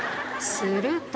すると。